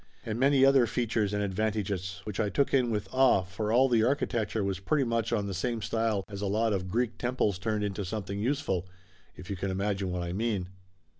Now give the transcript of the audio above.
And many other features and advantages, which I took in with awe, for all the architecture was pretty much on the same style as a lot of Greek temples turned into something useful, if you can imagine what I mean.